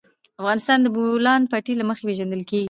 افغانستان د د بولان پټي له مخې پېژندل کېږي.